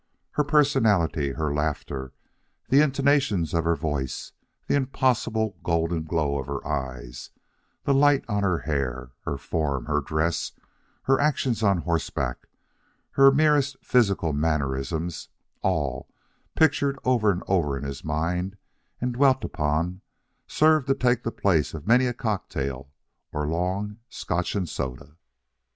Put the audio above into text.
Her personality, her laughter, the intonations of her voice, the impossible golden glow of her eyes, the light on her hair, her form, her dress, her actions on horseback, her merest physical mannerisms all, pictured over and over in his mind and dwelt upon, served to take the place of many a cocktail or long Scotch and soda.